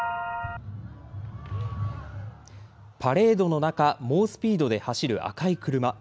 パレードの中、猛スピードで走る赤い車。